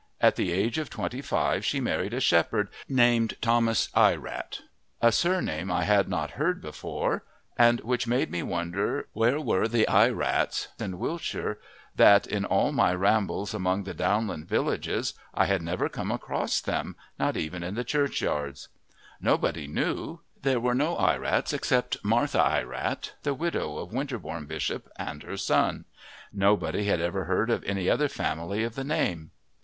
At the age of twenty five she married a shepherd named Thomas Ierat a surname I had not heard before and which made me wonder where were the Ierats in Wiltshire that in all my rambles among the downland villages I had never come across them, not even in the churchyards. Nobody knew there were no Ierats except Martha Ierat, the widow, of Winterbourne Bishop and her son nobody had ever heard of any other family of the name.